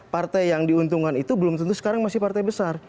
partai yang diuntungkan itu belum tentu sekarang masih partai besar